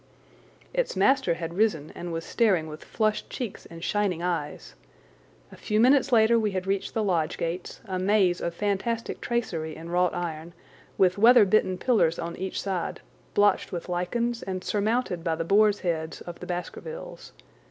Its master had risen and was staring with flushed cheeks and shining eyes. A few minutes later we had reached the lodge gates, a maze of fantastic tracery in wrought iron, with weather bitten pillars on either side, blotched with lichens, and surmounted by the boars' heads of the Baskervilles.